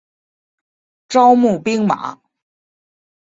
招募兵马。